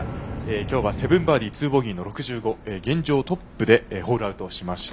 今日は７バーディー、２ボギー。現状、トップでホールアウトしました。